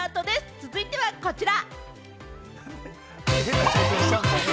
続いてはこちら。